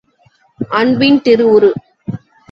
அன்பின் திரு உரு!